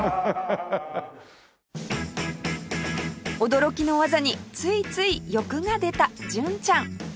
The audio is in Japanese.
驚きの技についつい欲が出た純ちゃん